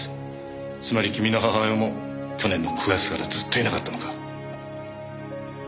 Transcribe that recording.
つまり君の母親も去年の９月からずっといなかったのか？